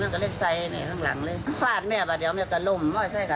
ก็ต้องสะลวกฝาดแบบเบอร์ว่าเบอร์แล้ว